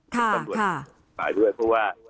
ท่านหมวดปาดด้วยเพราะว่า